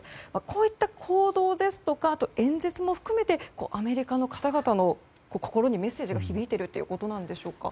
こういった行動ですとかあと演説も含めてアメリカの方々の心にメッセージが響いているということなんでしょうか。